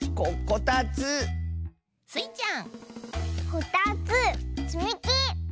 「こたつつみき」！